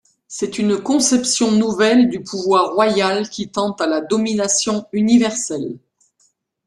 C'est une conception nouvelle du pouvoir royal qui tend à la domination universelle.